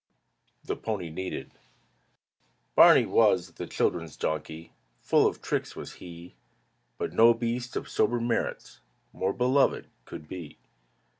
THE PONY NEEDED Barney was the children's donkey, Full of tricks was he, But no beast of sober merits More beloved could be.